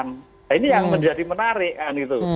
nah ini yang menjadi menarik kan gitu